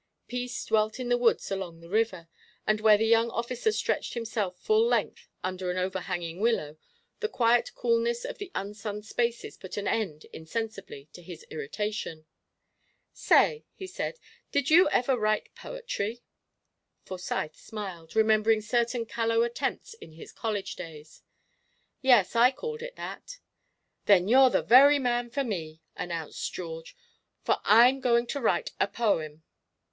Peace dwelt in the woods along the river, and where the young officer stretched himself full length under an overhanging willow, the quiet coolness of the unsunned spaces put an end, insensibly, to his irritation. "Say," he said, "did you ever write poetry?" Forsyth smiled, remembering certain callow attempts in his college days. "Yes, I called it that." "Then you're the very man for me," announced George, "for I'm going to write a poem!"